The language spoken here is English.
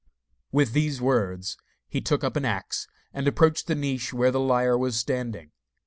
With these words he took up an axe, and approached the niche where the liar was standing.